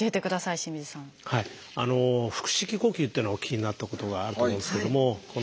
「腹式呼吸」というのをお聞きになったことがあると思うんですけども。